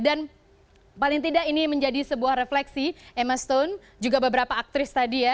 dan paling tidak ini menjadi sebuah refleksi emma stone juga beberapa aktris tadi ya